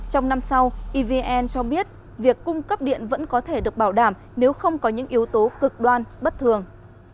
trong năm sau evn cho biết việc cung cấp điện vẫn có thể được bảo đảm nếu không có những yếu tố cực đoan bất thường